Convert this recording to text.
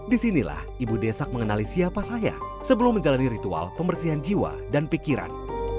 disinilah ibu desak mengenali siapa saya sebelum menjalani ritual pembersihan jiwa dan pikiran